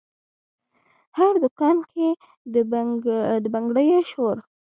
هر دکان کې د بنګړیو شور،